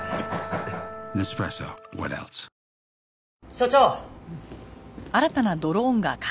所長！